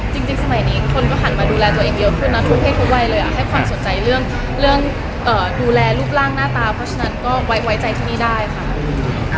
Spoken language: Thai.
จริงสมัยนี้คนก็หันมาดูแลตัวเองเยอะขึ้นนะทุกเพศทุกวัยเลยให้ความสนใจเรื่องดูแลรูปร่างหน้าตาเพราะฉะนั้นก็ไว้ใจที่นี่ได้ค่ะ